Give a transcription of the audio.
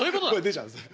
出ちゃうんです。